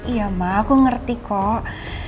iya mah aku ngerti kok